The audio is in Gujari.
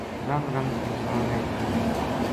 رنگو رنگ انسان ہے دنیا پو‘‘